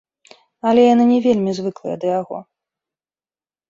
Але яны не вельмі звыклыя да яго.